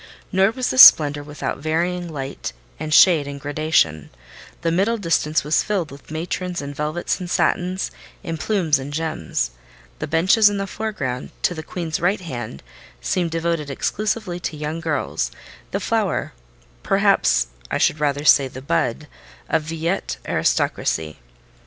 Nor was this splendour without varying light and shade and gradation: the middle distance was filled with matrons in velvets and satins, in plumes and gems; the benches in the foreground, to the Queen's right hand, seemed devoted exclusively to young girls, the flower—perhaps, I should rather say, the bud—of Villette aristocracy.